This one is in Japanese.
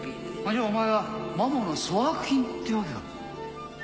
じゃお前はマモーの粗悪品ってわけか。